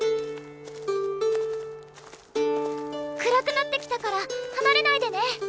くらくなってきたからはなれないでね。